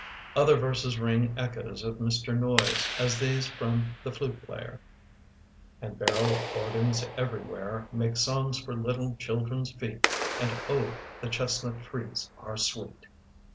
Other verses ring echoes of Mr. Noyes, as these from "The Flute Player" : And l)arrel organs everywhere Make songs for little children's feet, And, O, the chestnut trees are sweet